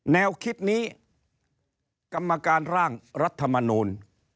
แนวคิดนี้กรรมการร่างรัฐมนูล